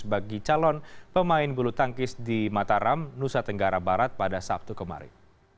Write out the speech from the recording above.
bagi calon pemain bulu tangkis di mataram nusa tenggara barat pada sabtu kemarin